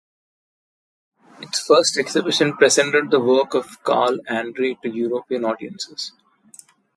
Its first exhibition presented the work of Carl Andre to European audiences.